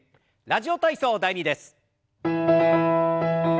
「ラジオ体操第２」です。